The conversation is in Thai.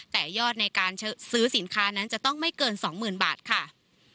แต่ยอดในการซื้อสินค้านั้นจะต้องไม่เกิน๒๐๐๐บาทค่ะ